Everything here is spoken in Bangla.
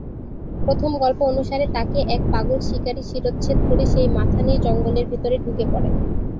প্রথম গল্প অনুসারে তাঁকে এক পাগল শিকারি শিরশ্ছেদ করে সেই মাথা নিয়ে জঙ্গলের ভিতরে ঢুকে পড়ে।